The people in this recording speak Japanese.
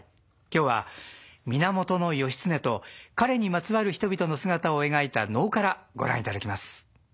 今日は源義経と彼にまつわる人々の姿を描いた能からご覧いただきます。